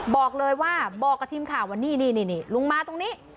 บอกเลยว่าบอกกับทีมข่าวว่านี่ลุงมาตรงนี้